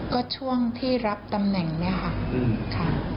ก็ช่วงที่รับตำแหน่งเนี่ยค่ะ